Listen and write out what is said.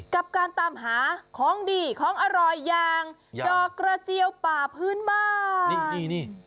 กับการตามหาของดีของอร่อยอย่างดอกกระเจียวป่าพื้นบ้าน